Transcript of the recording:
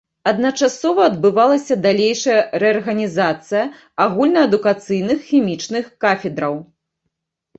Адначасова адбывалася далейшая рэарганізацыя агульнаадукацыйных хімічных кафедраў.